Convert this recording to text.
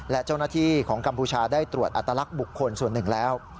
และเจ้าหน้าที่ของกัมพูชาได้ตรวจอัตลักษณ์บุคคลส่วนหนึ่งแล้ว